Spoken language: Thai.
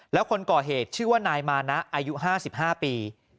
แล้วคนก่อเหตุชื่อว่านายมานะอายุห้าสิบห้าปี